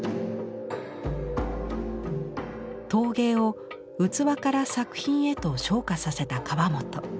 陶芸を器から作品へと昇華させた河本。